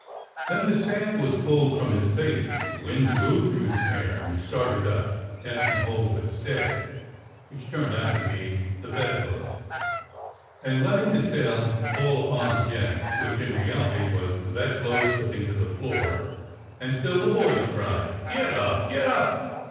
Then the sail was pulled from his face, the wind blew through his hair, and he started up, catching hold of a stay (which turned out to be the bedpost), and letting the sail fall below^ upon the deck, which in reality was the bedclothes slipping to the floor, and still the voice cried: "Get up! Get up!"